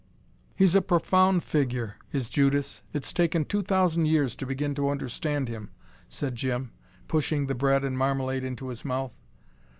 "He's a profound figure, is Judas. It's taken two thousand years to begin to understand him," said Jim, pushing the bread and marmalade into his mouth.